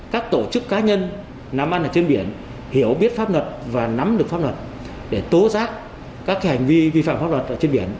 các tổ chức cá nhân làm ăn ở trên biển hiểu biết pháp luật và nắm được pháp luật để tố giác các hành vi vi phạm pháp luật trên biển